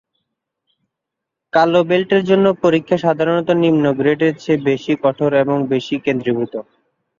কালো বেল্টের জন্য পরীক্ষা সাধারণত নিম্ন গ্রেডের চেয়ে বেশি কঠোর এবং বেশি কেন্দ্রীভূত।